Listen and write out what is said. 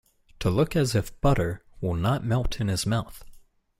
To look as if butter will not melt in his mouth.